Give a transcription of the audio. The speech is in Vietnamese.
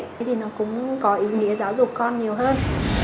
thế thì nó cũng có ý nghĩa giáo dục con nhiều hơn